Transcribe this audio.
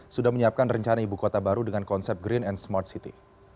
sudah menyiapkan rencana ibu kota baru dengan konsep green and smart city